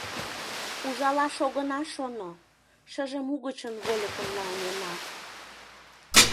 — Ужалаш огына шоно, шыжым угычын вольыкым налнена.